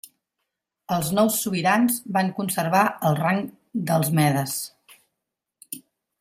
Els nous sobirans van conservar el rang dels medes.